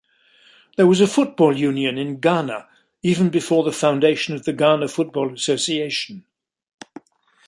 There was a football union in Ghana even before the foundation of the Ghana Football Association.